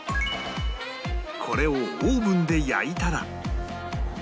これをオーブンで焼いたら